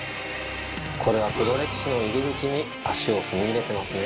これは黒歴史の入り口に足を踏み入れてますね。